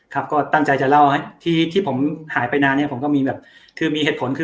ครับก็ตั้งใจจะเล่าให้ที่ผมหายไปนานเนี่ยผมก็มีแบบคือมีเหตุผลคือ